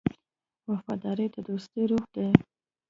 وفاداري د دوستۍ روح دی.